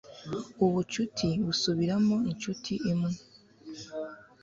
ubucuti busubiramo inshuti imwe